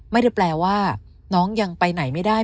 ไม่ได้แปลว่าน้องยังไปไหนไม่ได้